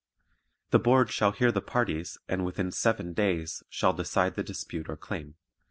The Board shall hear the parties and within seven (7) days shall decide the dispute or claim.